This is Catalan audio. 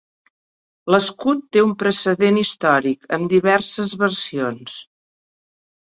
L'escut té un precedent històric amb diverses versions.